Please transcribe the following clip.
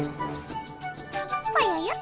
ぽよよっ。